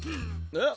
えっ？